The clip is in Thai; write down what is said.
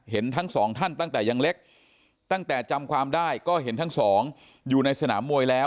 ทั้งสองท่านตั้งแต่ยังเล็กตั้งแต่จำความได้ก็เห็นทั้งสองอยู่ในสนามมวยแล้ว